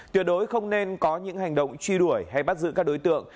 tuyệt đối không nên có những hành động truy đuổi hay bắt giữ các đối tượng